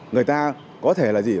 người ta có thể là gì